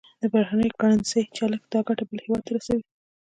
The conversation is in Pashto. د بهرنۍ کرنسۍ چلښت دا ګټه بل هېواد ته رسوي.